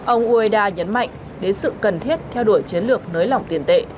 ông ueda nhấn mạnh đến sự cần thiết theo đuổi chiến lược nới lỏng tiền tệ